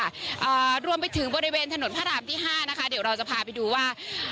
อ่ารวมไปถึงบริเวณถนนพระรามที่ห้านะคะเดี๋ยวเราจะพาไปดูว่า